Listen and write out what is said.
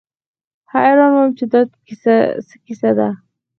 حيران وم چې دا څه کيسه ده.